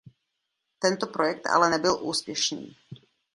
Tento projekt ale nebyl úspěšný.